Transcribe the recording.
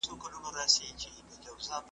چي دې اولس وه تل نازولي `